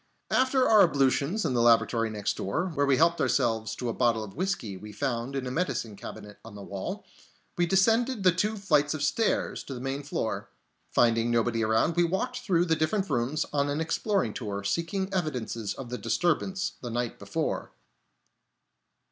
After our ablutions in the lavatory next door, where we helped ourselves to a bottle of whiskey we found in a medicine cabinet on the wall, we descended the two flights of stairs to the main floor. Finding nobody around, we walked through the different rooms on an exploring tour, seeking evidences of the disturbance the night before.